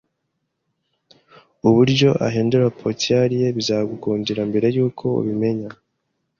Uburyo ahindura ponytail ye bizagukundira mbere yuko ubimenya.